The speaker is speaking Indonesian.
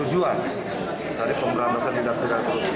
tujuan dari pemberantasan tindak pidana korupsi